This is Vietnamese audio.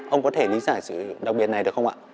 ông có thể lý giải sự đặc biệt này được không ạ